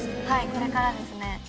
これからですね。